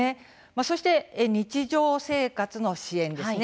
そして日常生活の支援です。